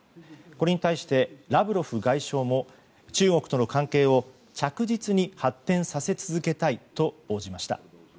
これに対してラブロフ外相も中国との関係を着実に発展させ続けたいと応じました。